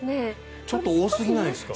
ちょっと多すぎないですか？